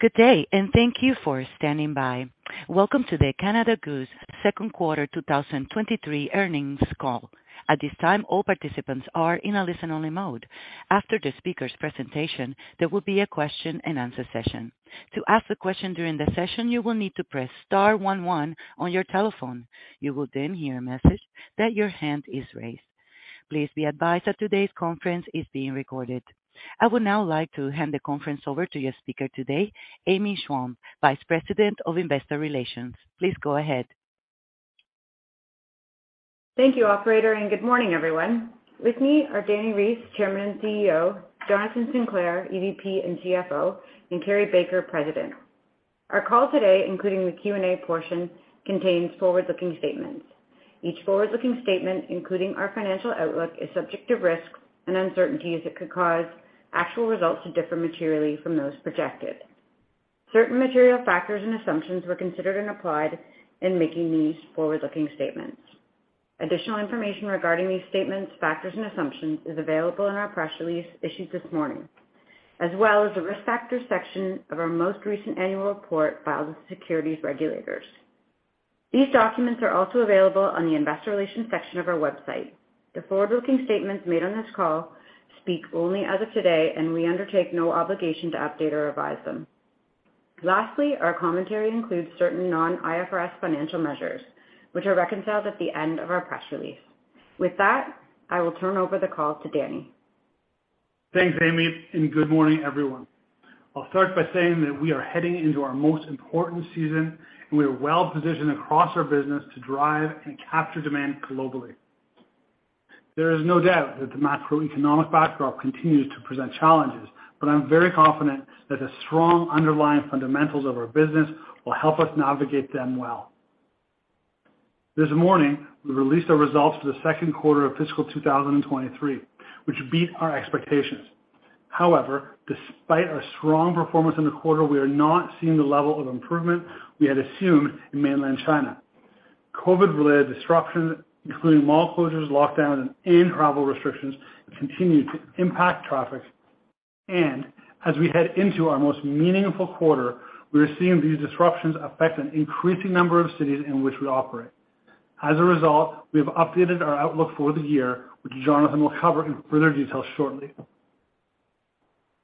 Good day, and thank you for standing by. Welcome to the Canada Goose Q2 2023 earnings call. At this time, all participants are in a listen-only mode. After the speaker's presentation, there will be a question-and-answer session. To ask a question during the session, you will need to press star one one on your telephone. You will then hear a message that your hand is raised. Please be advised that today's conference is being recorded. I would now like to hand the conference over to your speaker today, Amy Stwalley, Vice President of Investor Relations. Please go ahead. Thank you, operator, and good morning, everyone. With me are Dani Reiss, Chairman and CEO, Jonathan Sinclair, EVP and CFO, and Carrie Baker, President. Our call today, including the Q&A portion, contains forward-looking statements. Each forward-looking statement, including our financial outlook, is subject to risks and uncertainties that could cause actual results to differ materially from those projected. Certain material factors and assumptions were considered and applied in making these forward-looking statements. Additional information regarding these statements, factors, and assumptions is available in our press release issued this morning, as well as the Risk Factors section of our most recent annual report filed with securities regulators. These documents are also available on the Investor Relations section of our website. The forward-looking statements made on this call speak only as of today, and we undertake no obligation to update or revise them. Lastly, our commentary includes certain non-IFRS financial measures, which are reconciled at the end of our press release. With that, I will turn over the call to Dani. Thanks, Amy, and good morning, everyone. I'll start by saying that we are heading into our most important season, and we are well-positioned across our business to drive and capture demand globally. There is no doubt that the macroeconomic backdrop continues to present challenges, but I'm very confident that the strong underlying fundamentals of our business will help us navigate them well. This morning, we released our results for the Q2 of fiscal 2023, which beat our expectations. However, despite our strong performance in the quarter, we are not seeing the level of improvement we had assumed in Mainland China. COVID-related disruptions, including mall closures, lockdowns, and travel restrictions, continue to impact traffic. As we head into our most important quarter, we are seeing these disruptions affect an increasing number of cities in which we operate. As a result, we have updated our outlook for the year, which Jonathan will cover in further detail shortly.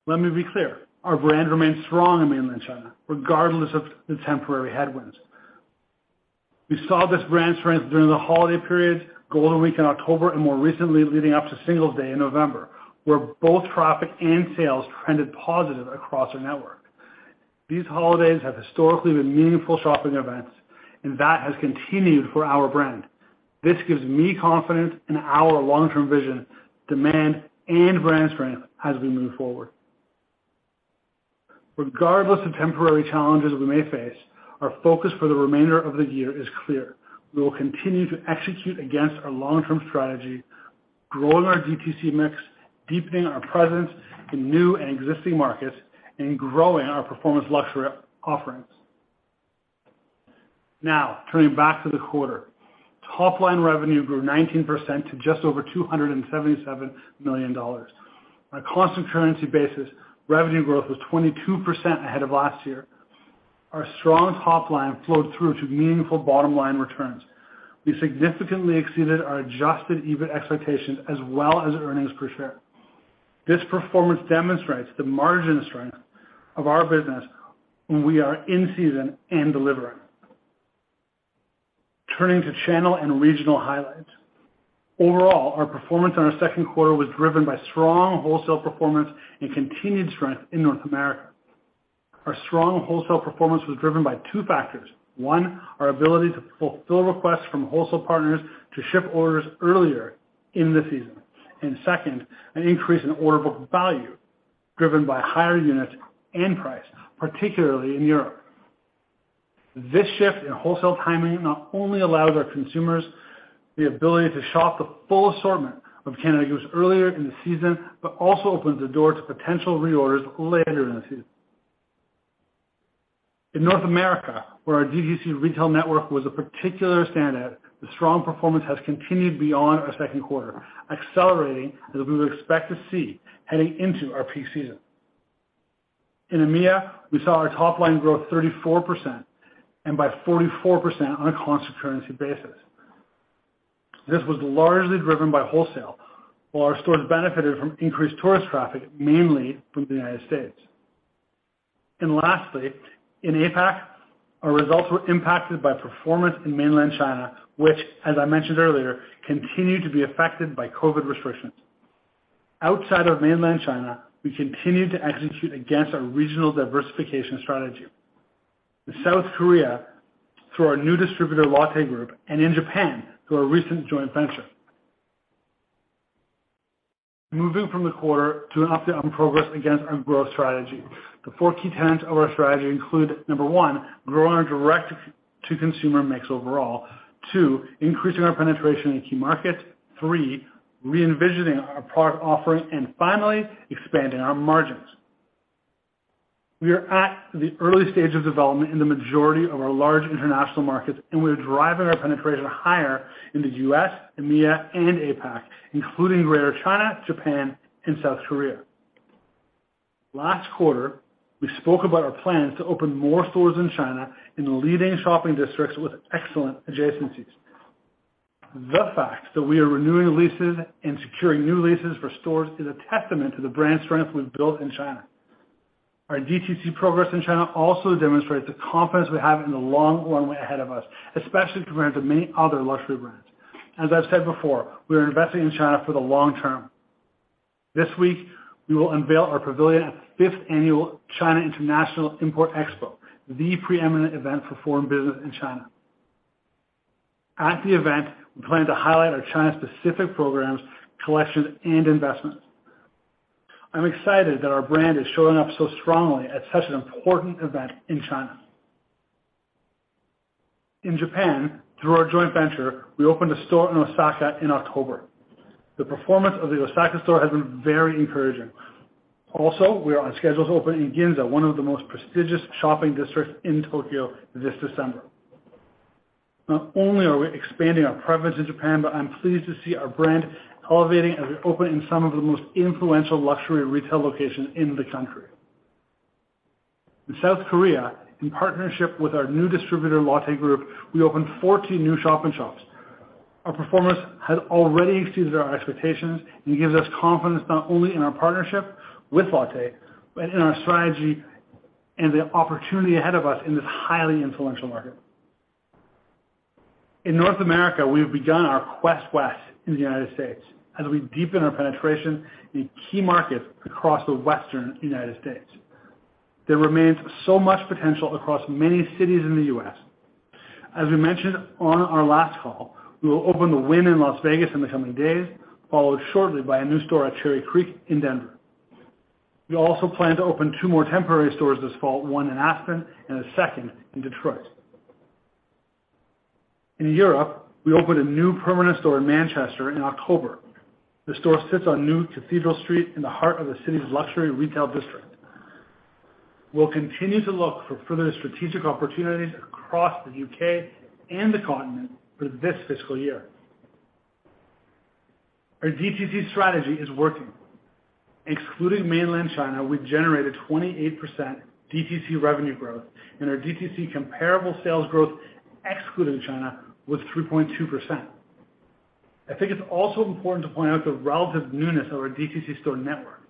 Let me be clear, our brand remains strong in Mainland China, regardless of the temporary headwinds. We saw this brand strength during the holiday period, Golden Week in October, and more recently leading up to Singles' Day in November, where both traffic and sales trended positive across our network. These holidays have historically been meaningful shopping events, and that has continued for our brand. This gives me confidence in our long-term vision, demand, and brand strength as we move forward. Regardless of temporary challenges we may face, our focus for the remainder of the year is clear. We will continue to execute against our long-term strategy, growing our DTC mix, deepening our presence in new and existing markets, and growing our performance luxury offerings. Now, turning back to the quarter. Topline revenue grew 19% to just over 277 million dollars. On a constant currency basis, revenue growth was 22% ahead of last year. Our strong top line flowed through to meaningful bottom-line returns. We significantly exceeded our Adjusted EBIT expectations as well as earnings per share. This performance demonstrates the margin strength of our business when we are in season and delivering. Turning to channel and regional highlights. Overall, our performance in our Q2 was driven by strong wholesale performance and continued strength in North America. Our strong wholesale performance was driven by two factors. One, our ability to fulfill requests from wholesale partners to ship orders earlier in the season. Second, an increase in order book value driven by higher units and price, particularly in Europe. This shift in wholesale timing not only allows our consumers the ability to shop the full assortment of Canada Goose earlier in the season, but also opens the door to potential reorders later in the season. In North America, where our DTC retail network was a particular standout, the strong performance has continued beyond our Q2, accelerating as we would expect to see heading into our peak season. In EMEA, we saw our top line grow 34% and by 44% on a constant currency basis. This was largely driven by wholesale, while our stores benefited from increased tourist traffic, mainly from the United States. Lastly, in APAC, our results were impacted by performance in Mainland China, which, as I mentioned earlier, continued to be affected by COVID restrictions. Outside of Mainland China, we continue to execute against our regional diversification strategy. In South Korea, through our new distributor Lotte Group, and in Japan, through our recent joint venture. Moving from the quarter to an update on progress against our growth strategy. The four key tenets of our strategy include, number one, growing our direct-to-consumer mix overall. Two, increasing our penetration in key markets. Three, re-envisioning our product offering. And finally, expanding our margins. We are at the early stage of development in the majority of our large international markets, and we're driving our penetration higher in the US, EMEA, and APAC, including Greater China, Japan, and South Korea. Last quarter, we spoke about our plans to open more stores in China in the leading shopping districts with excellent adjacencies. The fact that we are renewing leases and securing new leases for stores is a testament to the brand strength we've built in China. Our DTC progress in China also demonstrates the confidence we have in the long runway ahead of us, especially compared to many other luxury brands. As I've said before, we are investing in China for the long term. This week, we will unveil our pavilion at the fifth annual China International Import Expo, the preeminent event for foreign business in China. At the event, we plan to highlight our China-specific programs, collections, and investments. I'm excited that our brand is showing up so strongly at such an important event in China. In Japan, through our joint venture, we opened a store in Osaka in October. The performance of the Osaka store has been very encouraging. Also, we are on schedule to open in Ginza, one of the most prestigious shopping districts in Tokyo, this December. Not only are we expanding our presence in Japan, but I'm pleased to see our brand elevating as we open in some of the most influential luxury retail locations in the country. In South Korea, in partnership with our new distributor, Lotte Group, we opened 14 new shop-in-shops. Our performance has already exceeded our expectations and gives us confidence not only in our partnership with Lotte, but in our strategy and the opportunity ahead of us in this highly influential market. In North America, we have begun our quest west in the United States as we deepen our penetration in key markets across the western United States. There remains so much potential across many cities in the U.S. As we mentioned on our last call, we will open the Wynn in Las Vegas in the coming days, followed shortly by a new store at Cherry Creek in Denver. We also plan to open two more temporary stores this fall, one in Aspen and a second in Detroit. In Europe, we opened a new permanent store in Manchester in October. The store sits on New Cathedral Street in the heart of the city's luxury retail district. We'll continue to look for further strategic opportunities across the U.K and the continent for this fiscal year. Our DTC strategy is working. Excluding mainland China, we generated 28% DTC revenue growth, and our DTC comparable sales growth excluding China was 3.2%. I think it's also important to point out the relative newness of our DTC store network.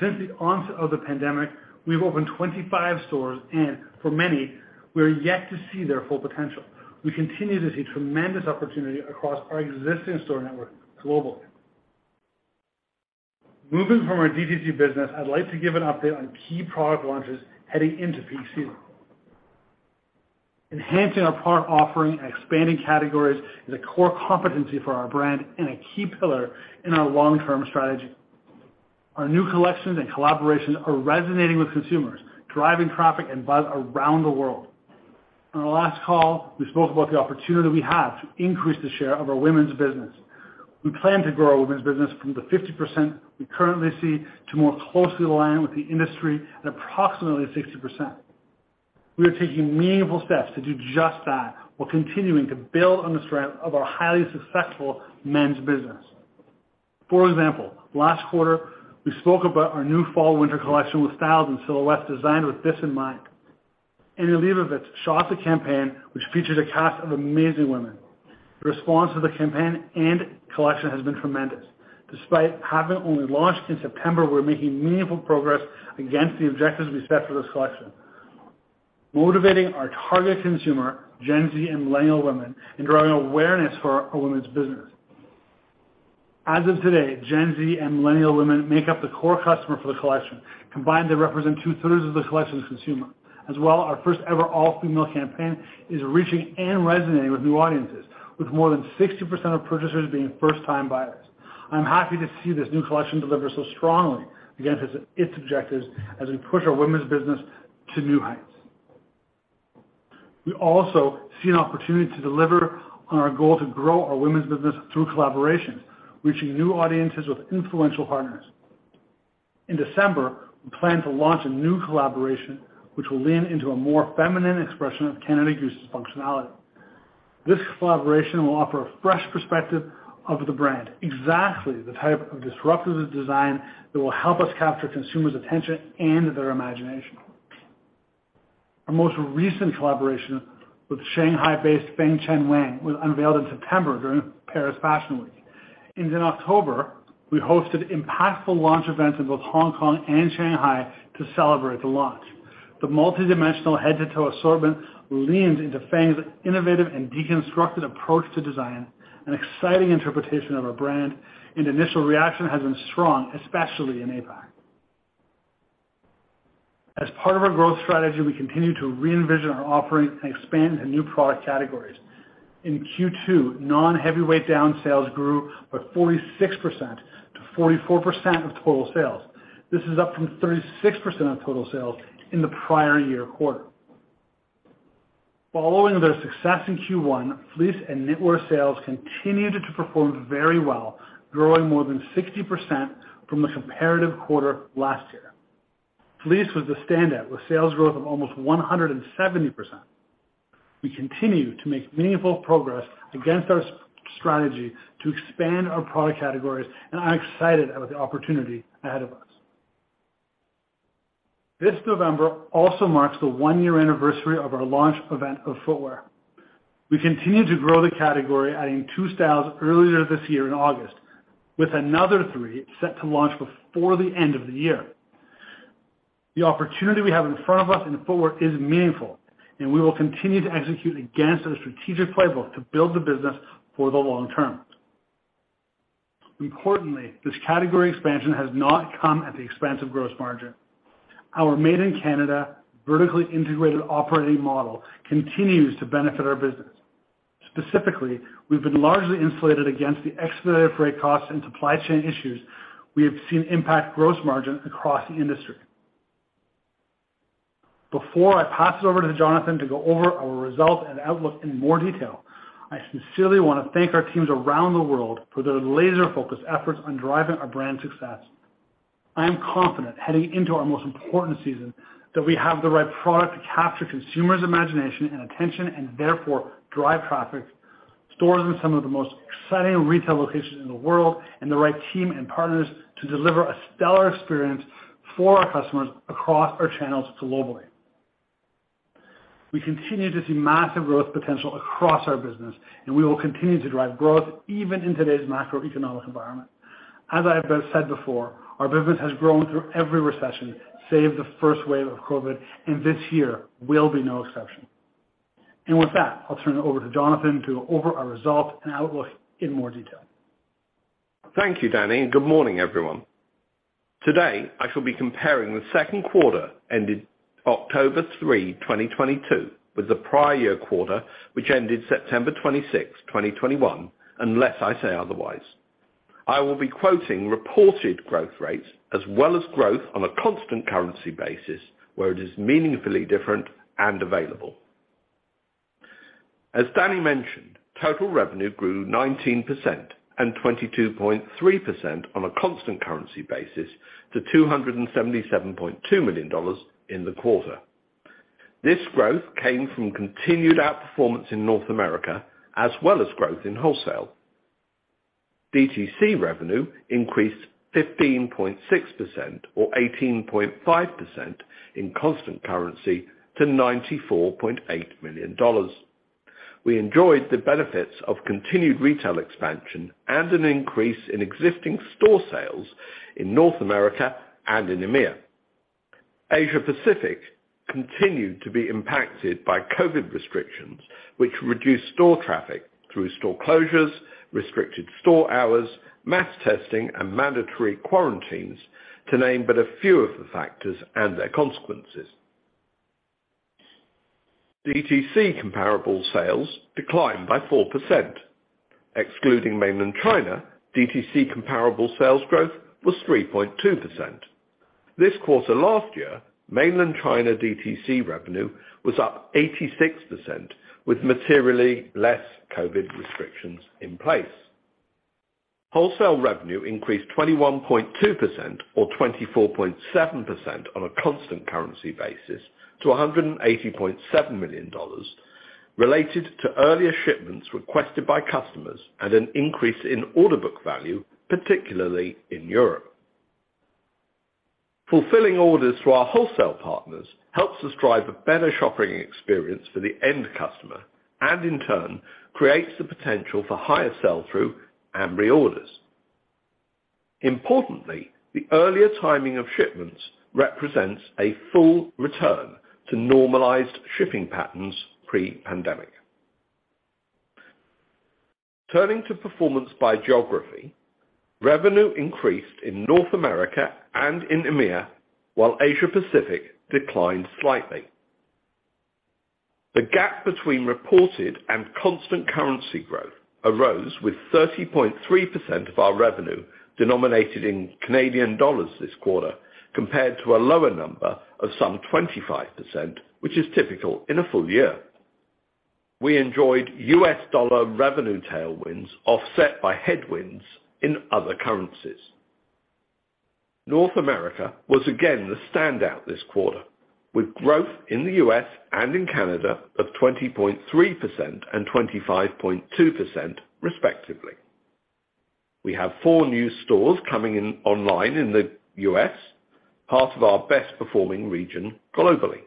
Since the onset of the pandemic, we've opened 25 stores, and for many, we are yet to see their full potential. We continue to see tremendous opportunity across our existing store network globally. Moving from our DTC business, I'd like to give an update on key product launches heading into peak season. Enhancing our product offering and expanding categories is a core competency for our brand and a key pillar in our long-term strategy. Our new collections and collaborations are resonating with consumers, driving traffic and buzz around the world. On our last call, we spoke about the opportunity we have to increase the share of our women's business. We plan to grow our women's business from the 50% we currently see to more closely align with the industry at approximately 60%. We are taking meaningful steps to do just that while continuing to build on the strength of our highly successful men's business. For example, last quarter, we spoke about our new fall/winter collection with styles and silhouettes designed with this in mind. Annie Leibovitz shot the campaign, which features a cast of amazing women. The response to the campaign and collection has been tremendous. Despite having only launched in September, we're making meaningful progress against the objectives we set for this collection, motivating our target consumer, Gen Z and millennial women, and driving awareness for our women's business. As of today, Gen Z and millennial women make up the core customer for the collection. Combined, they represent two-thirds of the collection's consumer. As well, our first ever all-female campaign is reaching and resonating with new audiences, with more than 60% of purchasers being first-time buyers. I'm happy to see this new collection deliver so strongly against its objectives as we push our women's business to new heights. We also see an opportunity to deliver on our goal to grow our women's business through collaborations, reaching new audiences with influential partners. In December, we plan to launch a new collaboration which will lean into a more feminine expression of Canada Goose's functionality. This collaboration will offer a fresh perspective of the brand, exactly the type of disruptive design that will help us capture consumers' attention and their imagination. Our most recent collaboration with Shanghai-based Feng Chen Wang was unveiled in September during Paris Fashion Week. In October, we hosted impactful launch events in both Hong Kong and Shanghai to celebrate the launch. The multidimensional head-to-toe assortment leans into Feng's innovative and deconstructed approach to design, an exciting interpretation of our brand, and initial reaction has been strong, especially in APAC. As part of our growth strategy, we continue to re-envision our offering and expand into new product categories. In Q2, non-Heavyweight Down sales grew by 46% to 44% of total sales. This is up from 36% of total sales in the prior year quarter. Following their success in Q1, fleece and knitwear sales continued to perform very well, growing more than 60% from the comparative quarter last year. Fleece was the standout, with sales growth of almost 170%. We continue to make meaningful progress against our strategy to expand our product categories, and I'm excited about the opportunity ahead of us. This November also marks the 1-year anniversary of our launch event of footwear. We continue to grow the category, adding two styles earlier this year in August, with another three set to launch before the end of the year. The opportunity we have in front of us in footwear is meaningful, and we will continue to execute against our strategic playbook to build the business for the long term. Importantly, this category expansion has not come at the expense of gross margin. Our Made in Canada vertically integrated operating model continues to benefit our business. Specifically, we've been largely insulated against the expedited freight costs and supply chain issues we have seen impact gross margin across the industry. Before I pass it over to Jonathan to go over our results and outlook in more detail, I sincerely wanna thank our teams around the world for their laser-focused efforts on driving our brand success. I am confident heading into our most important season that we have the right product to capture consumers' imagination and attention and therefore drive traffic, stores in some of the most exciting retail locations in the world, and the right team and partners to deliver a stellar experience for our customers across our channels globally. We continue to see massive growth potential across our business, and we will continue to drive growth even in today's macroeconomic environment. As I have said before, our business has grown through every recession, save the first wave of COVID, and this year will be no exception. With that, I'll turn it over to Jonathan to go over our results and outlook in more detail. Thank you, Dani, and good morning, everyone. Today, I shall be comparing the Q2 ended October 3, 2022 with the prior year quarter, which ended September 26, 2021, unless I say otherwise. I will be quoting reported growth rates as well as growth on a constant currency basis where it is meaningfully different and available. As Dani mentioned, total revenue grew 19% and 22.3% on a constant currency basis to 277.2 million dollars in the quarter. This growth came from continued outperformance in North America as well as growth in wholesale. DTC revenue increased 15.6% or 18.5% in constant currency to 94.8 million dollars. We enjoyed the benefits of continued retail expansion and an increase in existing store sales in North America and in EMEA. Asia Pacific continued to be impacted by COVID restrictions, which reduced store traffic through store closures, restricted store hours, mass testing, and mandatory quarantines, to name but a few of the factors and their consequences. DTC comparable sales declined by 4%. Excluding Mainland China, DTC comparable sales growth was 3.2%. This quarter last year, Mainland China DTC revenue was up 86% with materially less COVID restrictions in place. Wholesale revenue increased 21.2% or 24.7% on a constant currency basis to 180.7 million dollars related to earlier shipments requested by customers and an increase in order book value, particularly in Europe. Fulfilling orders through our wholesale partners helps us drive a better shopping experience for the end customer, and in turn, creates the potential for higher sell-through and reorders. Importantly, the earlier timing of shipments represents a full return to normalized shipping patterns pre-pandemic. Turning to performance by geography, revenue increased in North America and in EMEA, while Asia Pacific declined slightly. The gap between reported and constant currency growth arose with 30.3% of our revenue denominated in Canadian dollars this quarter, compared to a lower number of some 25%, which is typical in a full year. We enjoyed U.S. dollar revenue tailwinds offset by headwinds in other currencies. North America was again the standout this quarter, with growth in the U.S. and in Canada of 20.3% and 25.2% respectively. We have four new stores coming online in the U.S., part of our best performing region globally.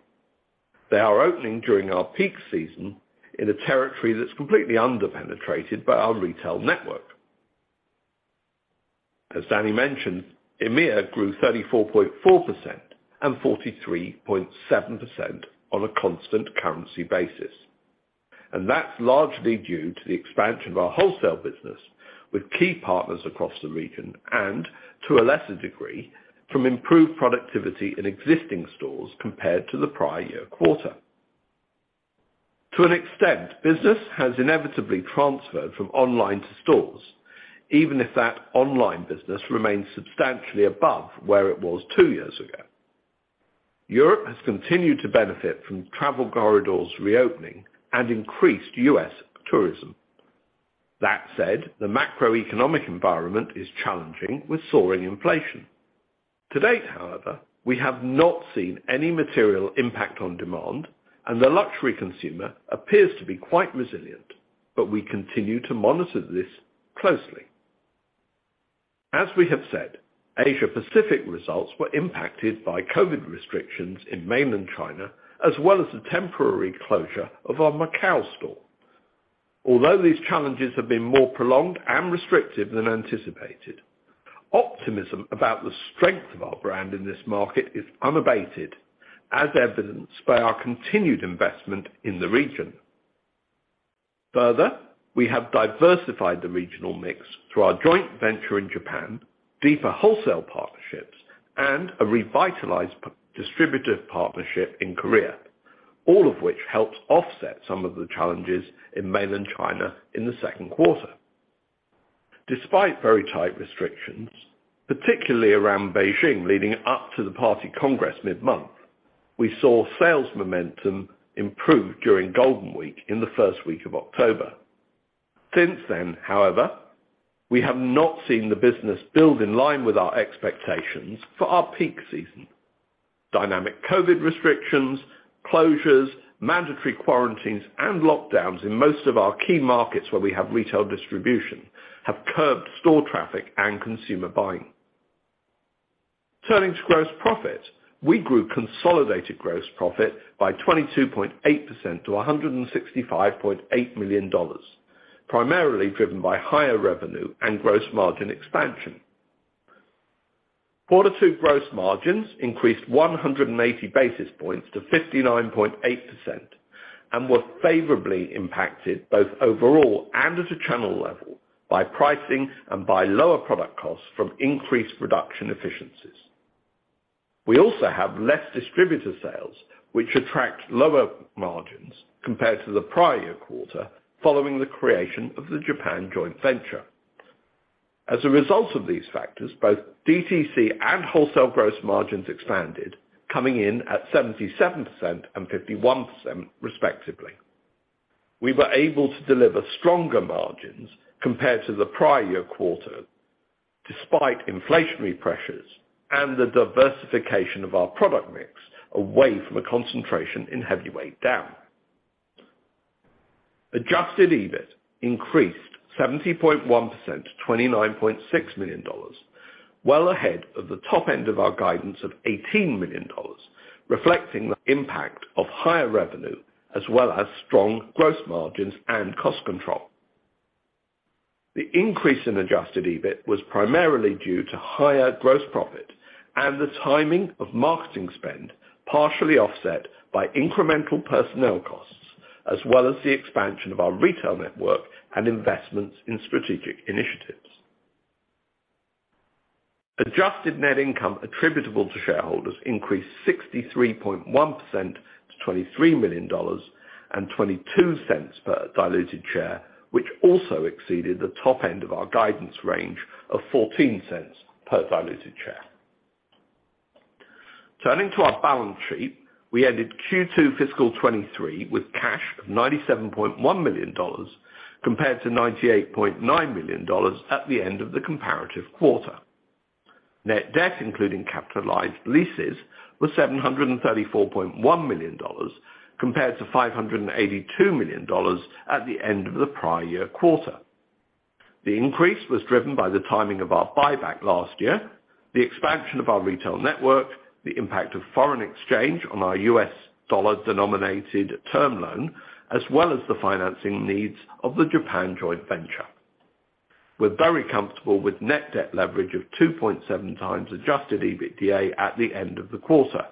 They are opening during our peak season in a territory that's completely underpenetrated by our retail network. As Dani mentioned, EMEA grew 34.4% and 43.7% on a constant currency basis, and that's largely due to the expansion of our wholesale business with key partners across the region and, to a lesser degree, from improved productivity in existing stores compared to the prior year quarter. To an extent, business has inevitably transferred from online to stores, even if that online business remains substantially above where it was two years ago. Europe has continued to benefit from travel corridors reopening and increased U.S. tourism. That said, the macroeconomic environment is challenging with soaring inflation. To date, however, we have not seen any material impact on demand, and the luxury consumer appears to be quite resilient, but we continue to monitor this closely. As we have said, Asia Pacific results were impacted by COVID restrictions in mainland China, as well as the temporary closure of our Macao store. Although these challenges have been more prolonged and restrictive than anticipated, optimism about the strength of our brand in this market is unabated, as evidenced by our continued investment in the region. Further, we have diversified the regional mix through our joint venture in Japan, deeper wholesale partnerships, and a revitalized distribution partnership in Korea, all of which helps offset some of the challenges in mainland China in the Q2. Despite very tight restrictions, particularly around Beijing leading up to the Party Congress mid-month, we saw sales momentum improve during Golden Week in the first week of October. Since then, however, we have not seen the business build in line with our expectations for our peak season. Dynamic zero-COVID restrictions, closures, mandatory quarantines, and lockdowns in most of our key markets where we have retail distribution have curbed store traffic and consumer buying. Turning to gross profit, we grew consolidated gross profit by 22.8% to 165.8 million dollars, primarily driven by higher revenue and gross margin expansion. Q2 gross margins increased 180 basis points to 59.8% and were favorably impacted both overall and at a channel level by pricing and by lower product costs from increased production efficiencies. We also have less distributor sales, which attract lower margins compared to the prior year quarter following the creation of the Japan joint venture. As a result of these factors, both DTC and wholesale gross margins expanded, coming in at 77% and 51%, respectively. We were able to deliver stronger margins compared to the prior year quarter despite inflationary pressures and the diversification of our product mix away from a concentration in heavyweight down. Adjusted EBIT increased 70.1% to 29.6 million dollars, well ahead of the top end of our guidance of 18 million dollars, reflecting the impact of higher revenue as well as strong gross margins and cost control. The increase in adjusted EBIT was primarily due to higher gross profit and the timing of marketing spend, partially offset by incremental personnel costs as well as the expansion of our retail network and investments in strategic initiatives. Adjusted net income attributable to shareholders increased 63.1% to 23 million dollars and 0.22 million per diluted share, which also exceeded the top end of our guidance range of 0.14 milllion per diluted share. Turning to our balance sheet, we ended Q2 fiscal 2023 with cash of 97.1 million dollars compared to 98.9 million dollars at the end of the comparative quarter. Net debt, including capitalized leases, was 734.1 million dollars compared to 582 million dollars at the end of the prior year quarter. The increase was driven by the timing of our buyback last year, the expansion of our retail network, the impact of foreign exchange on our U.S dollar-denominated term loan, as well as the financing needs of the Japan joint venture. We're very comfortable with net debt leverage of 2.7x Adjusted EBITDA at the end of the quarter.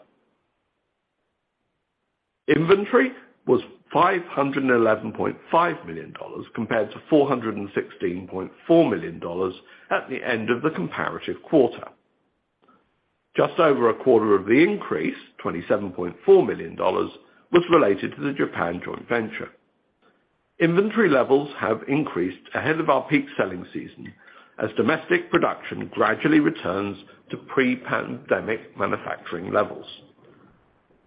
Inventory was 511.5 million dollars compared to 416.4 million dollars at the end of the comparative quarter. Just over a quarter of the increase, 27.4 million dollars, was related to the Japan joint venture. Inventory levels have increased ahead of our peak selling season as domestic production gradually returns to pre-pandemic manufacturing levels.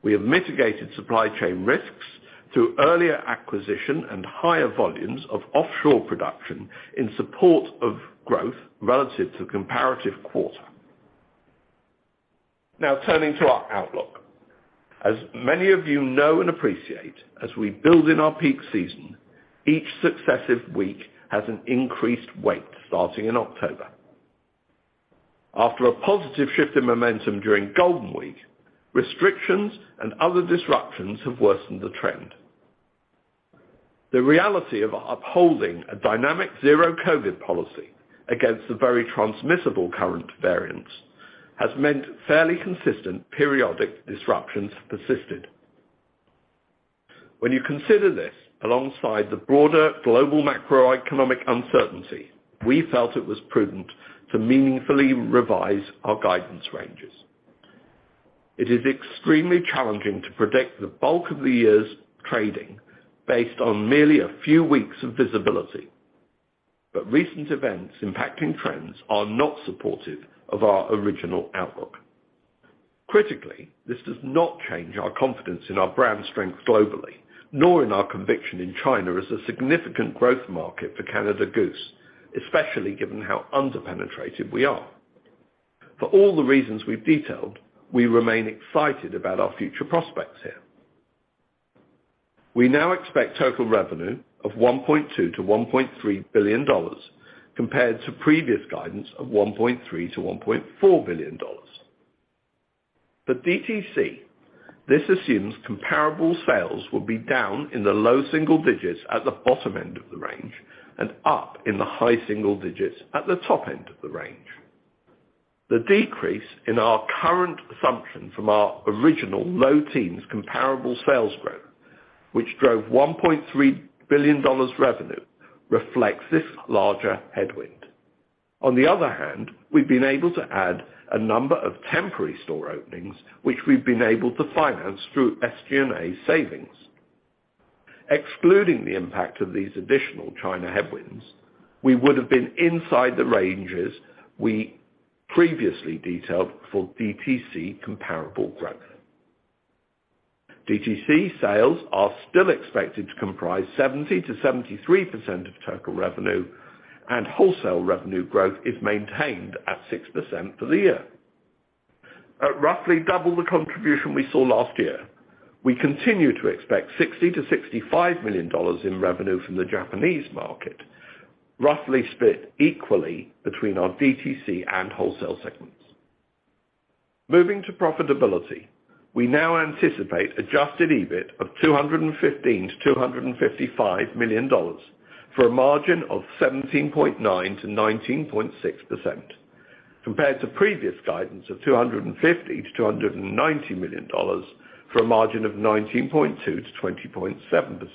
We have mitigated supply chain risks through earlier acquisition and higher volumes of offshore production in support of growth relative to comparative quarter. Now turning to our outlook. As many of you know and appreciate, as we build in our peak season, each successive week has an increased weight starting in October. After a positive shift in momentum during Golden Week, restrictions and other disruptions have worsened the trend. The reality of upholding a dynamic zero-COVID policy against the very transmissible current variants has meant fairly consistent periodic disruptions persisted. When you consider this alongside the broader global macroeconomic uncertainty, we felt it was prudent to meaningfully revise our guidance ranges. It is extremely challenging to predict the bulk of the year's trading based on merely a few weeks of visibility, but recent events impacting trends are not supportive of our original outlook. Critically, this does not change our confidence in our brand strength globally, nor in our conviction in China as a significant growth market for Canada Goose, especially given how under-penetrated we are. For all the reasons we've detailed, we remain excited about our future prospects here. We now expect total revenue of 1.2 billion-1.3 billion dollars compared to previous guidance of 1.3 billion-1.4 billion dollars. For DTC, this assumes comparable sales will be down in the low single digits at the bottom end of the range and up in the high single digits at the top end of the range. The decrease in our current assumption from our original low teens comparable sales growth, which drove 1.3 billion dollars revenue, reflects this larger headwind. On the other hand, we've been able to add a number of temporary store openings, which we've been able to finance through SG&A savings. Excluding the impact of these additional China headwinds, we would have been inside the ranges we previously detailed for DTC comparable growth. DTC sales are still expected to comprise 70%-73% of total revenue, and wholesale revenue growth is maintained at 6% for the year. At roughly double the contribution we saw last year, we continue to expect 60 million-65 million dollars in revenue from the Japanese market, roughly split equally between our DTC and wholesale segments. Moving to profitability, we now anticipate Adjusted EBIT of 215 million-255 million dollars for a margin of 17.9%-19.6% compared to previous guidance of 250 million-290 million dollars for a margin of 19.2%-20.7%.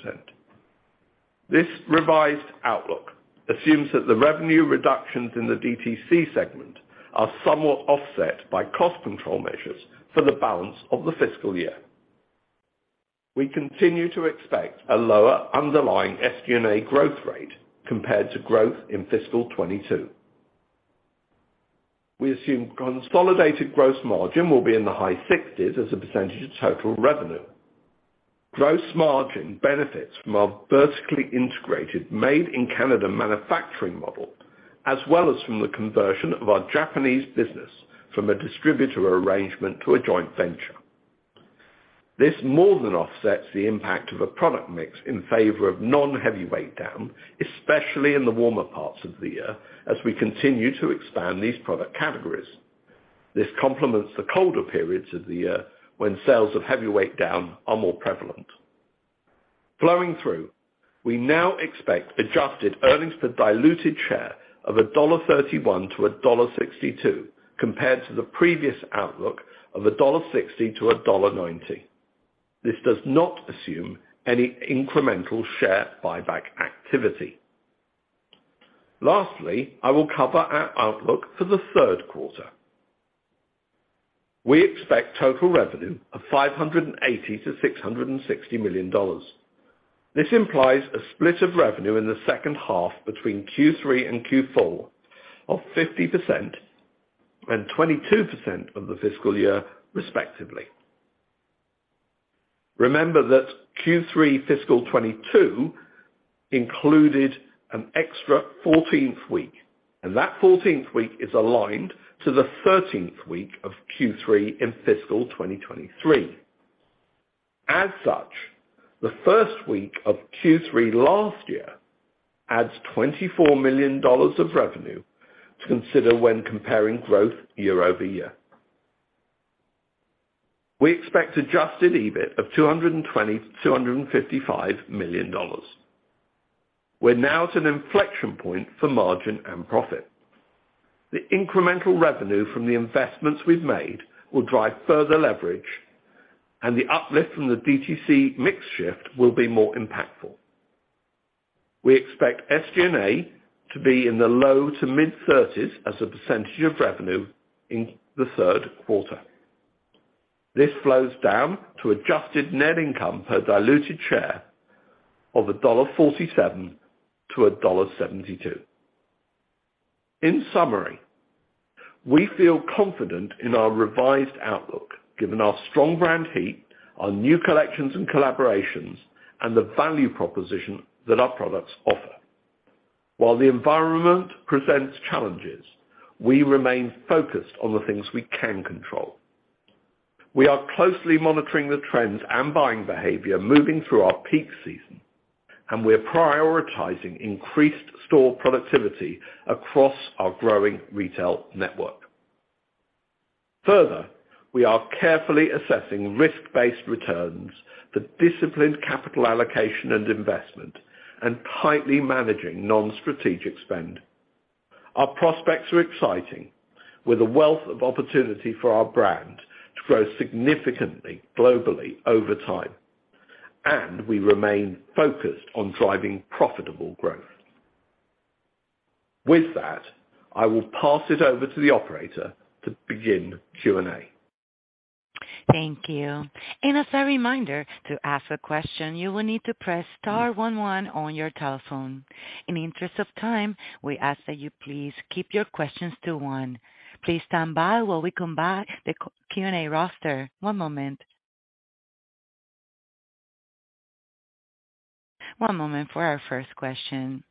This revised outlook assumes that the revenue reductions in the DTC segment are somewhat offset by cost control measures for the balance of the fiscal year. We continue to expect a lower underlying SG&A growth rate compared to growth in fiscal 2022. We assume consolidated gross margin will be in the high 60s as a percentage of total revenue. Gross margin benefits from our vertically integrated Made in Canada manufacturing model, as well as from the conversion of our Japanese business from a distributor arrangement to a joint venture. This more than offsets the impact of a product mix in favor of non-Heavyweight Down, especially in the warmer parts of the year as we continue to expand these product categories. This complements the colder periods of the year when sales of Heavyweight Down are more prevalent. Flowing through, we now expect adjusted earnings per diluted share of 1.31 million-1.62 million dollar, compared to the previous outlook of 1.60 million-1.90 million dollar. This does not assume any incremental share buyback activity. Lastly, I will cover our outlook for the Q3. We expect total revenue of 580 million-660 million dollars. This implies a split of revenue in the second half between Q3 and Q4 of 50% and 22% of the fiscal year respectively. Remember that Q3 fiscal 2022 included an extra 14th week, and that 14th week is aligned to the 13th week of Q3 in fiscal 2023. As such, the first week of Q3 last year adds 24 million dollars of revenue to consider when comparing growth year-over-year. We expect Adjusted EBIT of 220 million-255 million dollars. We're now at an inflection point for margin and profit. The incremental revenue from the investments we've made will drive further leverage, and the uplift from the DTC mix shift will be more impactful. We expect SG&A to be in the low-to-mid-30s as a percent of revenue in the Q3. This flows down to adjusted net income per diluted share of 1.47 million-1.72 million dollar. In summary, we feel confident in our revised outlook, given our strong brand heat, our new collections and collaborations, and the value proposition that our products offer. While the environment presents challenges, we remain focused on the things we can control. We are closely monitoring the trends and buying behavior moving through our peak season, and we're prioritizing increased store productivity across our growing retail network. Further, we are carefully assessing risk-based returns for disciplined capital allocation and investment and tightly managing non-strategic spend. Our prospects are exciting, with a wealth of opportunity for our brand to grow significantly globally over time, and we remain focused on driving profitable growth. With that, I will pass it over to the operator to begin Q&A. Thank you. As a reminder, to ask a question, you will need to press star one one on your telephone. In the interest of time, we ask that you please keep your questions to one. Please stand by while we combine the Q&A roster. One moment. One moment for our first question.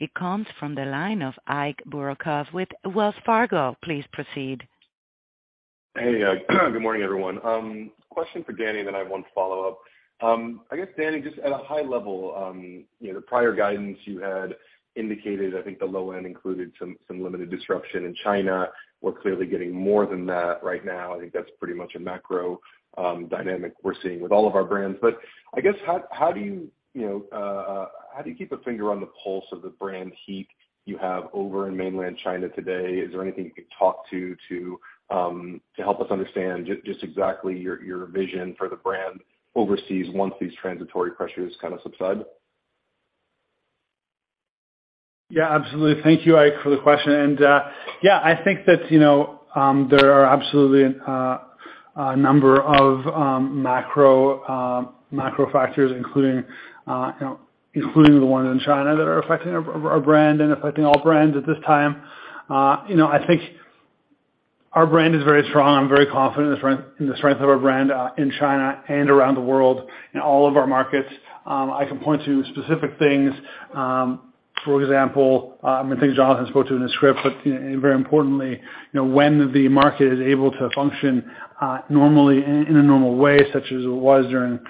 It comes from the line of Ike Boruchow with Wells Fargo. Please proceed. Hey good morning, everyone. Question for Dani, then I have one follow-up. I guess, Dani, just at a high level, you know, the prior guidance you had indicated, I think the low end included some limited disruption in China. We're clearly getting more than that right now. I think that's pretty much a macro dynamic we're seeing with all of our brands. I guess how do you know, how do you keep a finger on the pulse of the brand heat you have over in mainland China today? Is there anything you can talk to to help us understand just exactly your vision for the brand overseas once these transitory pressures kinda subside? Yeah, absolutely. Thank you, Ike, for the question. Yeah, I think that, you know, there are absolutely a number of macro factors, including, you know, including the ones in China that are affecting our brand and affecting all brands at this time. You know, I think our brand is very strong. I'm very confident in the strength of our brand in China and around the world in all of our markets. I can point to specific things, for example, I think Jonathan spoke to in the script, but, you know, very importantly, you know, when the market is able to function normally in a normal way, such as it was during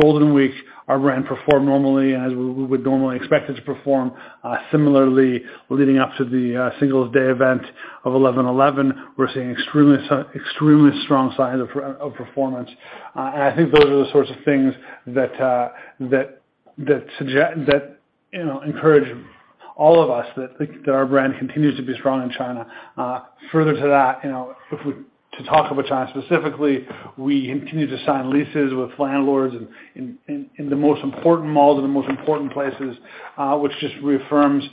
Golden Week, our brand performed normally as we would normally expect it to perform. Similarly, leading up to the Singles' Day event of 11/11, we're seeing extremely strong signs of performance. I think those are the sorts of things that suggest that, you know, encourage all of us that our brand continues to be strong in China. Further to that, you know, to talk about China specifically, we continue to sign leases with landlords in the most important malls, in the most important places, which just reaffirms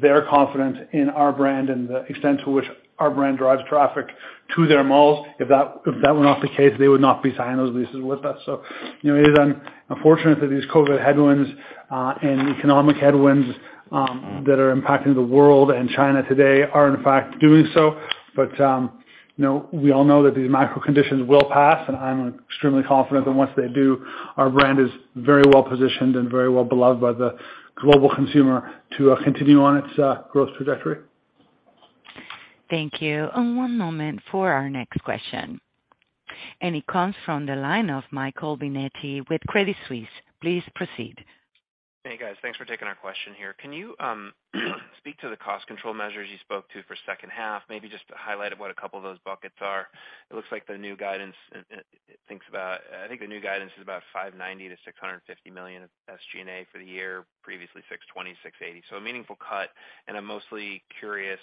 their confidence in our brand and the extent to which our brand drives traffic to their malls. If that were not the case, they would not be signing those leases with us. You know, it is unfortunate that these COVID headwinds and economic headwinds that are impacting the world and China today are in fact doing so. You know, we all know that these macro conditions will pass, and I'm extremely confident that once they do, our brand is very well positioned and very well beloved by the global consumer to continue on its growth trajectory. Thank you. One moment for our next question. It comes from the line of Michael Binetti with Credit Suisse. Please proceed. Hey, guys. Thanks for taking our question here. Can you speak to the cost control measures you spoke to for second half? Maybe just highlight what a couple of those buckets are. I think the new guidance is about 590 million-650 million SG&A for the year, previously 620 million-680 million. So a meaningful cut, and I'm mostly curious,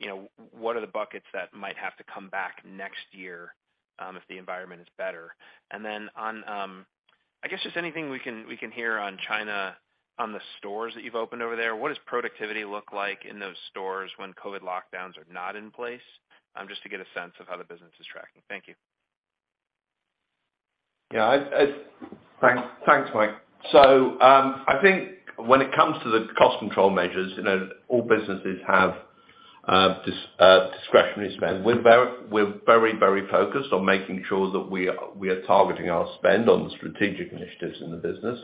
you know, what are the buckets that might have to come back next year if the environment is better? And then on I guess just anything we can hear on China, on the stores that you've opened over there. What does productivity look like in those stores when COVID lockdowns are not in place? Just to get a sense of how the business is tracking. Thank you. Yeah. Thanks. Thanks, Mic. I think when it comes to the cost control measures, you know, all businesses have discretionary spend. We're very focused on making sure that we are targeting our spend on the strategic initiatives in the business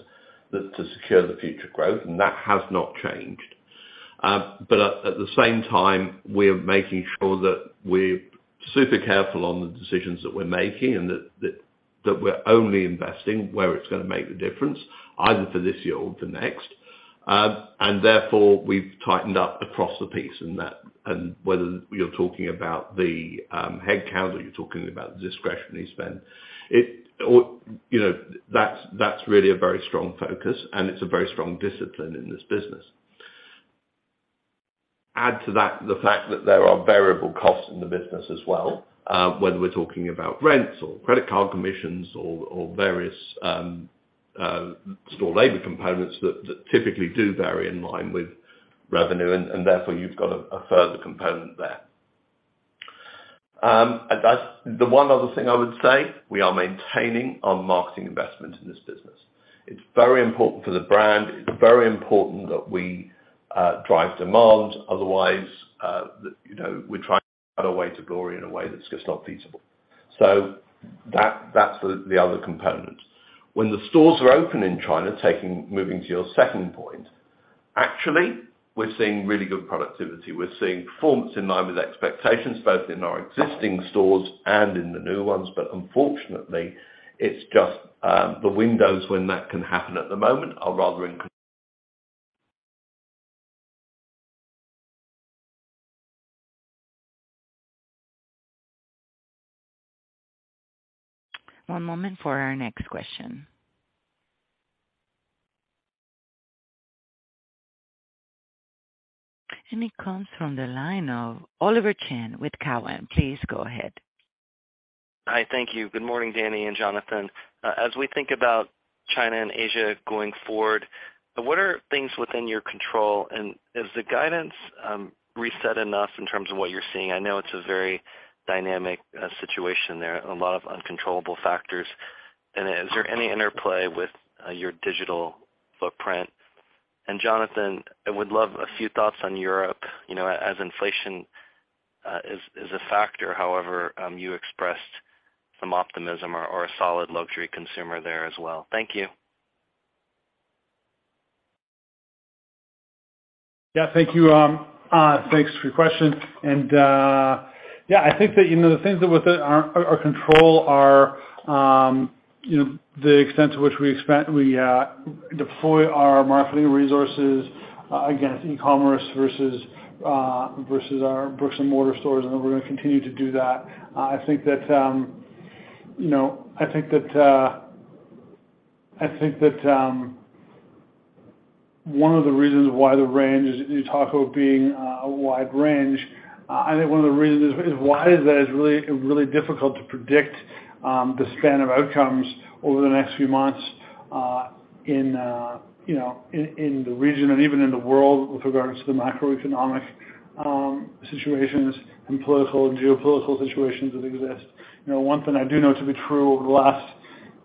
that to secure the future growth, and that has not changed. At the same time, we're making sure that we're super careful on the decisions that we're making and that we're only investing where it's gonna make the difference, either for this year or the next. Therefore, we've tightened up across the piece in that. Whether you're talking about the headcount or you're talking about the discretionary spend, it all, you know, that's really a very strong focus and it's a very strong discipline in this business. Add to that the fact that there are variable costs in the business as well, whether we're talking about rents or credit card commissions or various store labor components that typically do vary in line with revenue, and therefore you've got a further component there. The one other thing I would say, we are maintaining our marketing investment in this business. It's very important for the brand. It's very important that we drive demand. Otherwise, you know, we're trying to find a way to grow in a way that's just not feasible. So that's the other component. When the stores are open in China, moving to your second point, actually, we're seeing really good productivity. We're seeing performance in line with expectations, both in our existing stores and in the new ones. Unfortunately, it's just the windows when that can happen at the moment are rather incon- One moment for our next question. It comes from the line of Oliver Chen with Cowen. Please go ahead. Hi. Thank you. Good morning, Dani and Jonathan. As we think about China and Asia going forward, what are things within your control? Has the guidance reset enough in terms of what you're seeing? I know it's a very dynamic situation there, a lot of uncontrollable factors. Is there any interplay with your digital footprint? Jonathan, I would love a few thoughts on Europe, you know, as inflation as a factor. However, you expressed some optimism or a solid luxury consumer there as well. Thank you. Yeah. Thank you. Thanks for your question. Yeah, I think that, you know, the things that within our control are, you know, the extent to which we deploy our marketing resources against e-commerce versus our brick and mortar stores, and we're gonna continue to do that. I think that one of the reasons why the range you talk about being a wide range, I think one of the reasons it's wide is that it's really, really difficult to predict the span of outcomes over the next few months in the region and even in the world with regards to the macroeconomic situations and political and geopolitical situations that exist. You know, one thing I do know to be true over the last,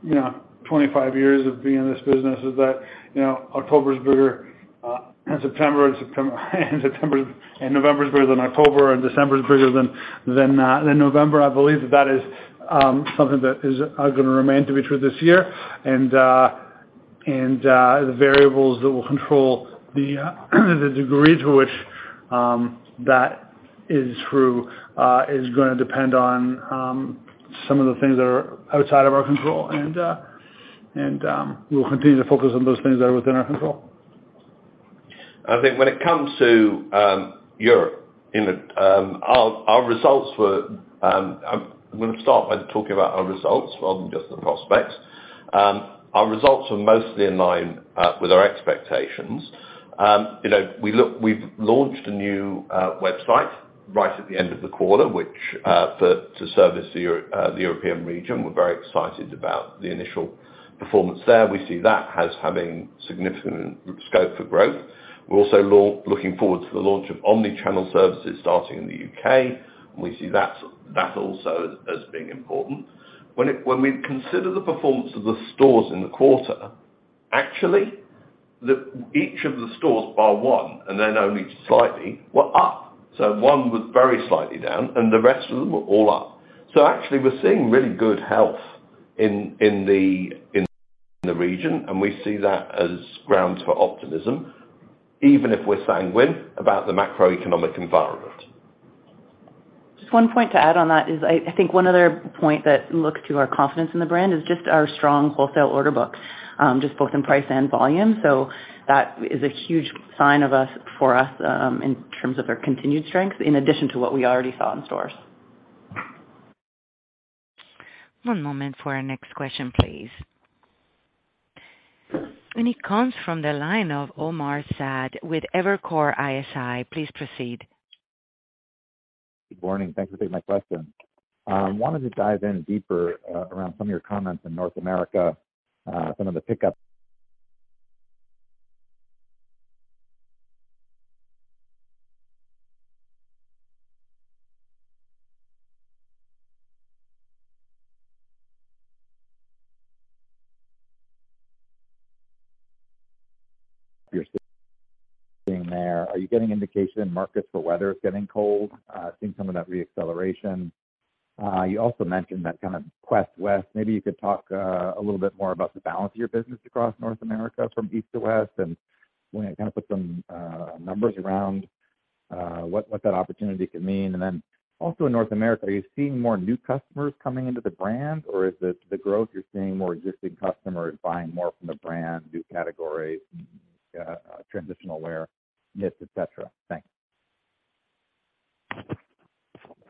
you know, 25 years of being in this business is that, you know, October is bigger than September, and September and November is bigger than October, and December is bigger than November. I believe that is something that is gonna remain to be true this year. The variables that will control the degree to which that is true is gonna depend on some of the things that are outside of our control. We will continue to focus on those things that are within our control. I think when it comes to Europe, you know, our results were. I'm gonna start by talking about our results rather than just the prospects. Our results were mostly in line with our expectations. You know, we've launched a new website right at the end of the quarter, which to service the European region. We're very excited about the initial performance there. We see that as having significant scope for growth. We're also looking forward to the launch of omni-channel services starting in the U.K, and we see that also as being important. When we consider the performance of the stores in the quarter, actually, each of the stores bar one, and then only slightly, were up. One was very slightly down, and the rest of them were all up. Actually, we're seeing really good health in the region, and we see that as grounds for optimism, even if we're sanguine about the macroeconomic environment. Just one point to add on that is I think one other point that looks to our confidence in the brand is just our strong wholesale order book, just both in price and volume. That is a huge sign for us in terms of their continued strength, in addition to what we already saw in stores. One moment for our next question, please. It comes from the line of Omar Saad with Evercore ISI. Please proceed. Good morning. Thanks for taking my question. Wanted to dive in deeper around some of your comments in North America, some of the pickup you're seeing there. Are you getting indication in markets where weather is getting cold, seeing some of that re-acceleration? You also mentioned that kind of West Coast. Maybe you could talk a little bit more about the balance of your business across North America from east to west, and when to kind of put some numbers around what that opportunity could mean. Also in North America, are you seeing more new customers coming into the brand, or is it the growth you're seeing more existing customers buying more from the brand, new categories, transitional wear, knits, et cetera? Thanks.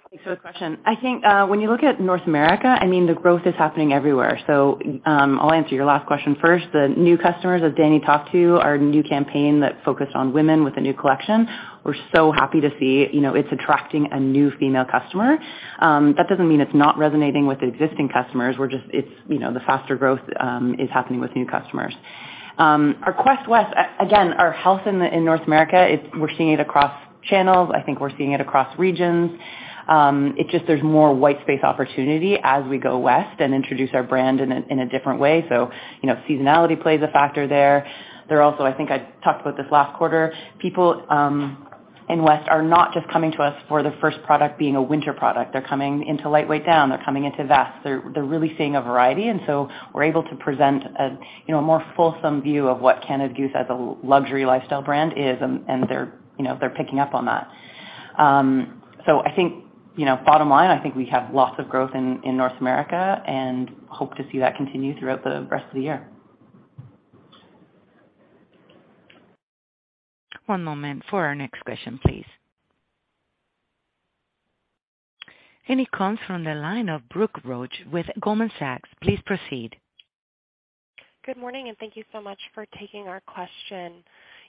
Thanks for the question. I think, when you look at North America, I mean, the growth is happening everywhere. I'll answer your last question first. The new customers that Dani talked about are a new campaign that focused on women with a new collection. We're so happy to see, you know, it's attracting a new female customer. That doesn't mean it's not resonating with existing customers. We're just you know the faster growth is happening with new customers. Our quest west, again, our health in North America is we're seeing it across channels. I think we're seeing it across regions. It's just there's more white space opportunity as we go west and introduce our brand in a different way. You know, seasonality plays a factor there. There are also, I think I talked about this last quarter, people in West are not just coming to us for their first product being a winter product. They're coming into Lightweight Down, they're coming into Vests. They're really seeing a variety. We're able to present a, you know, a more fulsome view of what Canada Goose as a luxury lifestyle brand is, and they're, you know, they're picking up on that. So I think, you know, bottom line, I think we have lots of growth in North America and hope to see that continue throughout the rest of the year. One moment for our next question, please. It comes from the line of Brooke Roach with Goldman Sachs. Please proceed. Good morning, and thank you so much for taking our question.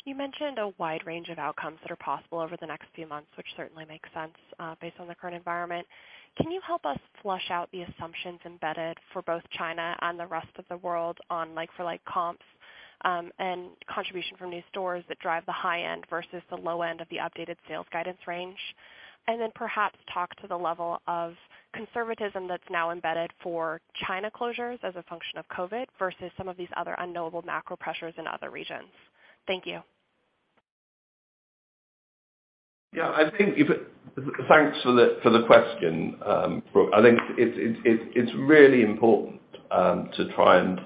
You mentioned a wide range of outcomes that are possible over the next few months, which certainly makes sense, based on the current environment. Can you help us flesh out the assumptions embedded for both China and the rest of the world on like-for-like comps? Contribution from new stores that drive the high end versus the low end of the updated sales guidance range, and then perhaps talk to the level of conservatism that's now embedded for China closures as a function of COVID versus some of these other unknowable macro pressures in other regions? Thank you. Thanks for the question, Brooke. I think it's really important to try and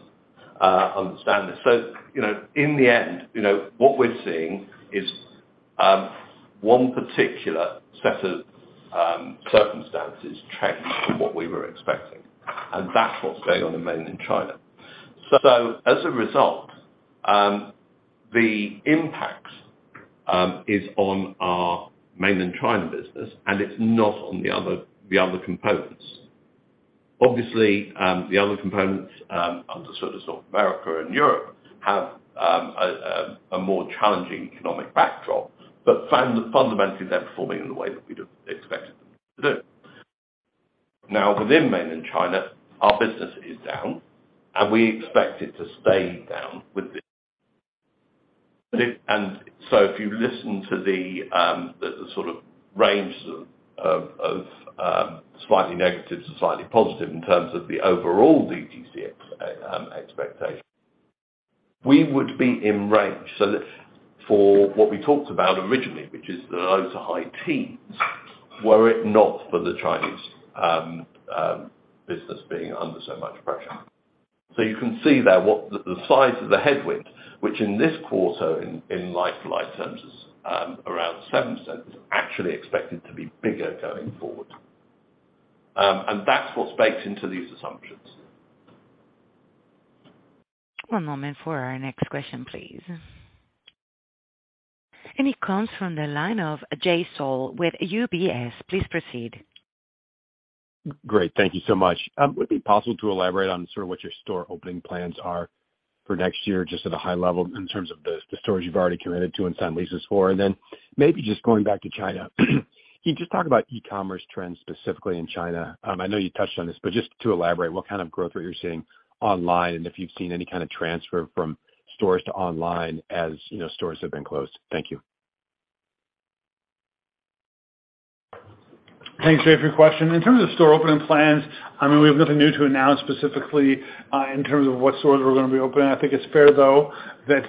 understand this. You know, in the end, you know, what we're seeing is one particular set of circumstances change what we were expecting, and that's what's going on in mainland China. As a result, the impact is on our mainland China business, and it's not on the other components. Obviously, the other components under sort of South America and Europe have a more challenging economic backdrop, but fundamentally, they're performing in the way that we'd have expected them to do. Now, within mainland China, our business is down, and we expect it to stay down with this. If. If you listen to the sort of range of slightly negative to slightly positive in terms of the overall DTC expectation, we would be in range. If for what we talked about originally, which is the low to high teens, were it not for the Chinese business being under so much pressure. You can see there what the size of the headwind, which in this quarter in like-for-like terms is around 0.07 million, is actually expected to be bigger going forward. That's what's baked into these assumptions. One moment for our next question, please. It comes from the line of Jay Sole with UBS. Please proceed. Great. Thank you so much. Would it be possible to elaborate on sort of what your store opening plans are for next year, just at a high level in terms of the stores you've already committed to and signed leases for? Maybe just going back to China. Can you just talk about e-commerce trends specifically in China? I know you touched on this, but just to elaborate, what kind of growth rate you're seeing online, and if you've seen any kind of transfer from stores to online as, you know, stores have been closed? Thank you. Thanks, Jay, for your question. In terms of store opening plans, I mean, we have nothing new to announce specifically, in terms of what stores we're gonna be opening. I think it's fair, though, that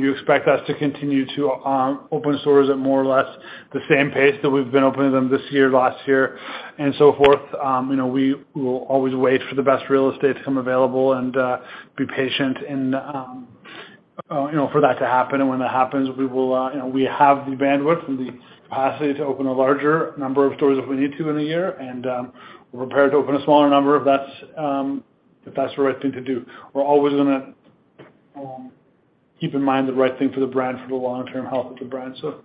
you expect us to continue to open stores at more or less the same pace that we've been opening them this year, last year, and so forth. You know, we will always wait for the best real estate to become available and be patient and you know, for that to happen. When that happens, we will, you know, we have the bandwidth and the capacity to open a larger number of stores if we need to in a year. We're prepared to open a smaller number if that's the right thing to do. We're always gonna keep in mind the right thing for the brand for the long-term health of the brand so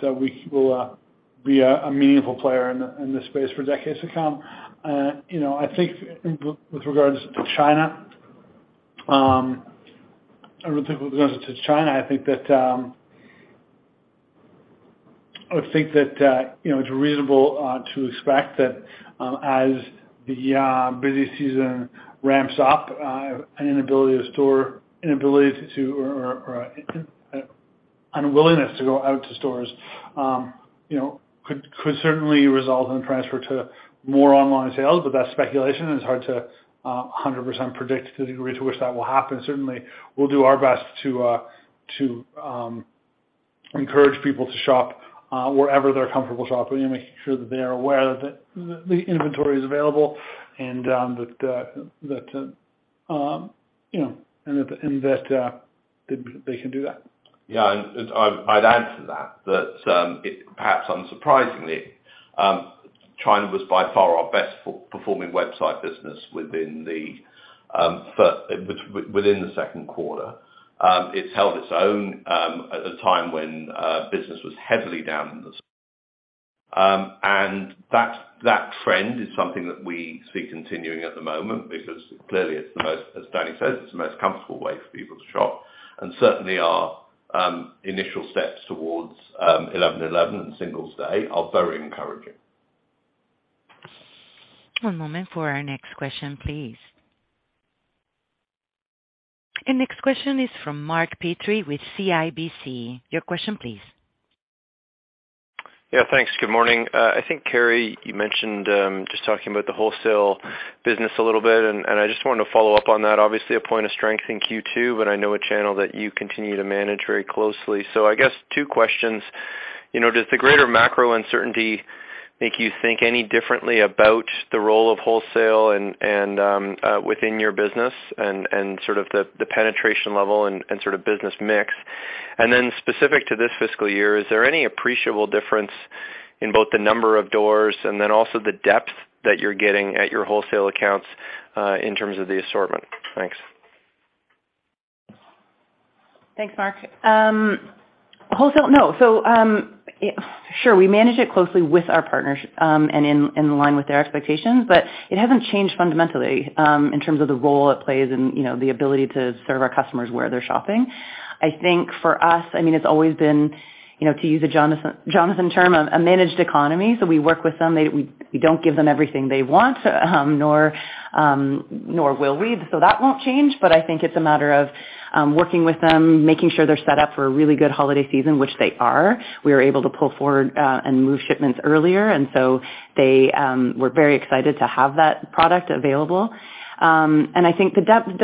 that we will be a meaningful player in this space for decades to come. You know, I think with regards to China, it's reasonable to expect that as the busy season ramps up, an inability to or unwillingness to go out to stores, you know, could certainly result in a transfer to more online sales, but that's speculation, and it's hard to 100% predict to the degree to which that will happen. Certainly, we'll do our best to encourage people to shop wherever they're comfortable shopping and making sure that they're aware that the inventory is available and that you know and that they can do that. I'd add to that, it perhaps unsurprisingly, China was by far our best performing website business within the Q2. It's held its own at a time when business was heavily down in the U.S. That trend is something that we see continuing at the moment because clearly, as Dani says, it's the most comfortable way for people to shop. Certainly our initial steps towards eleven eleven and Singles' Day are very encouraging. One moment for our next question, please. Next question is from Mark Petrie with CIBC. Your question please. Yeah, thanks. Good morning. I think, Carrie, you mentioned just talking about the wholesale business a little bit, and I just wanted to follow up on that. Obviously a point of strength in Q2, but I know a channel that you continue to manage very closely. I guess two questions. You know, does the greater macro uncertainty make you think any differently about the role of wholesale and within your business and sort of the penetration level and sort of business mix? And then specific to this fiscal year, is there any appreciable difference in both the number of doors and then also the depth that you're getting at your wholesale accounts in terms of the assortment? Thanks. Thanks, Mark. Wholesale, no. Sure, we manage it closely with our partners, and in line with their expectations, but it hasn't changed fundamentally, in terms of the role it plays and, you know, the ability to serve our customers where they're shopping. I think for us, I mean, it's always been, you know, to use a Jonathan term, a managed economy. We work with them. We don't give them everything they want, nor will we. That won't change. But I think it's a matter of working with them, making sure they're set up for a really good holiday season, which they are. We are able to pull forward and move shipments earlier. They, we're very excited to have that product available. There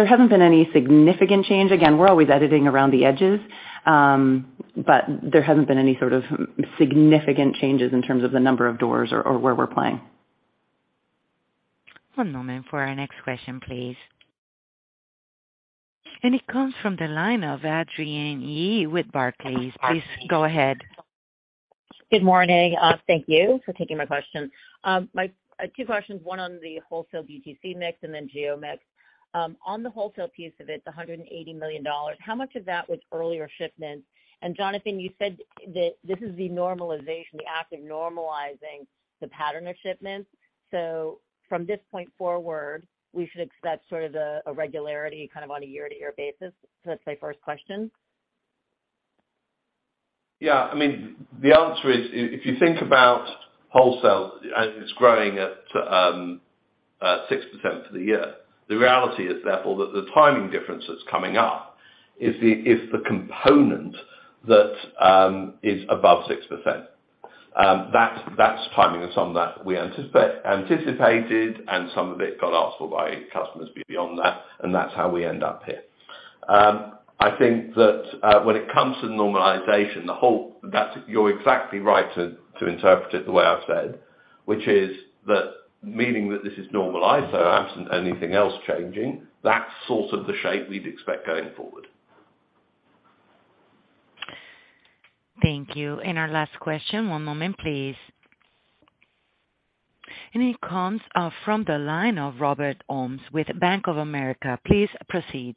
hasn't been any significant change. Again, we're always editing around the edges. There hasn't been any sort of significant changes in terms of the number of doors or where we're playing. One moment for our next question, please. It comes from the line of Adrienne Yih with Barclays. Please go ahead. Good morning. Thank you for taking my question. Two questions, one on the wholesale DTC mix and then geo mix. On the wholesale piece of it, the 180 million dollars, how much of that was earlier shipments? Jonathan, you said that this is the normalization, the act of normalizing the pattern of shipments. From this point forward, we should expect sort of a regularity kind of on a year-to-year basis. That's my first question. Yeah. I mean, the answer is, if you think about wholesale, and it's growing at 6% for the year, the reality is therefore that the timing difference that's coming up is the component that is above 6%. That's timing and some that we anticipated and some of it got asked for by customers beyond that, and that's how we end up here. I think that when it comes to normalization, that's you're exactly right to interpret it the way I've said, which is that meaning that this is normalized, so absent anything else changing, that's sort of the shape we'd expect going forward. Thank you. Our last question, one moment, please. It comes from the line of Robert Ohmes with Bank of America. Please proceed.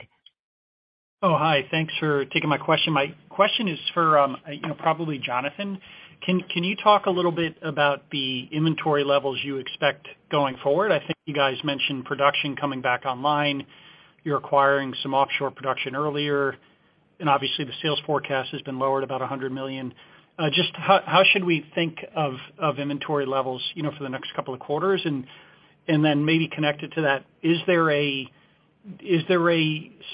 Oh, hi. Thanks for taking my question. My question is for, you know, probably Jonathan. Can you talk a little bit about the inventory levels you expect going forward? I think you guys mentioned production coming back online. You're acquiring some offshore production earlier, and obviously the sales forecast has been lowered about 100 million. Just how should we think of inventory levels, you know, for the next couple of quarters? And then maybe connected to that, is there a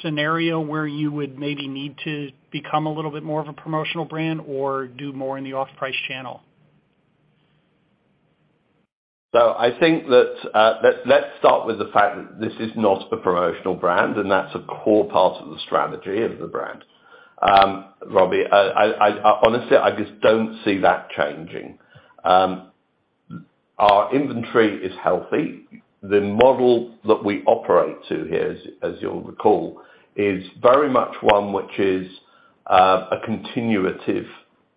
scenario where you would maybe need to become a little bit more of a promotional brand or do more in the off-price channel? I think that, let's start with the fact that this is not a promotional brand, and that's a core part of the strategy of the brand. Robbie, I honestly just don't see that changing. Our inventory is healthy. The model that we operate to here, as you'll recall, is very much one which is a continuative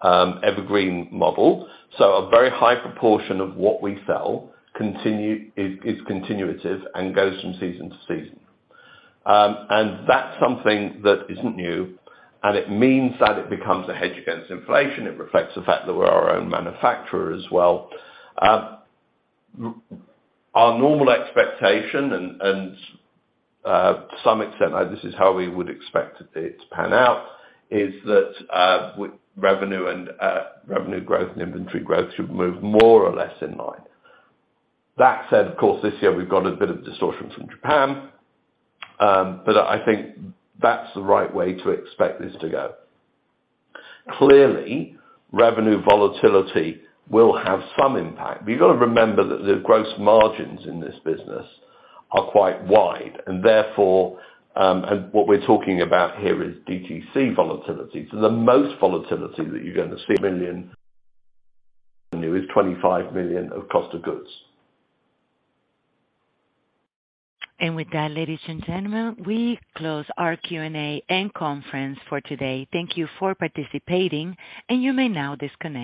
evergreen model. A very high proportion of what we sell is continuative and goes from season to season. That's something that isn't new, and it means that it becomes a hedge against inflation. It reflects the fact that we're our own manufacturer as well. Our normal expectation, to some extent, this is how we would expect it to pan out, is that revenue and revenue growth and inventory growth should move more or less in line. That said, of course, this year we've got a bit of distortion from Japan, but I think that's the right way to expect this to go. Clearly, revenue volatility will have some impact. You've got to remember that the gross margins in this business are quite wide and therefore, what we're talking about here is DTC volatility. The most volatility that you're gonna see is 25 million of cost of goods. With that, ladies and gentlemen, we close our Q&A and conference for today. Thank you for participating, and you may now disconnect.